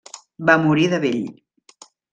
Va morir de vell.